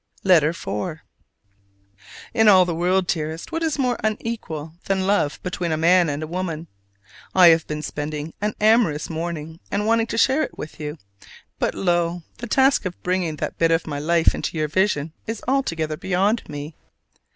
LETTER IV. In all the world, dearest, what is more unequal than love between a man and a woman? I have been spending an amorous morning and want to share it with you: but lo, the task of bringing that bit of my life into your vision is altogether beyond me.